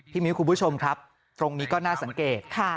มิ้วคุณผู้ชมครับตรงนี้ก็น่าสังเกต